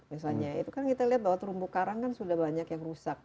misalnya itu kan kita lihat bahwa terumbu karang kan sudah banyak yang rusak